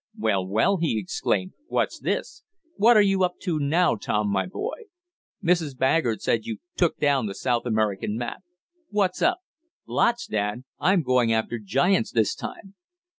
"Well, well!" he exclaimed. "What's this? What are you up to now, Tom, my boy? Mrs. Baggert said you took down the South American map. What's up?" "Lots, dad? I'm going after giants this time!"